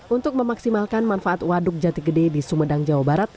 untuk memaksimalkan manfaat waduk jati gede di sumedang jawa barat